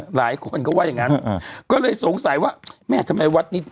หลายคนเขาว่าอย่างงั้นก็เลยสงสัยว่าแม่ทำไมวัดนี้